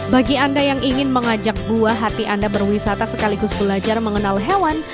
bagi anda yang ingin mengajak buah hati anda berwisata sekaligus belajar mengenal hewan